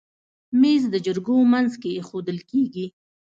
مېز د جرګو منځ کې ایښودل کېږي.